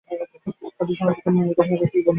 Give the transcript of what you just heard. ভদ্রসমাজে তুমি মুখ দেখাইবে কী বলিয়া।